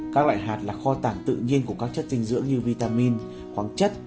các loại hạt là kho tảng tự nhiên của các chất dinh dưỡng như vitamin khoáng chất